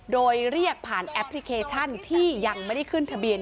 โดยเรียกผ่านแอปพลิเคชันที่ยังไม่ได้ขึ้นทะเบียน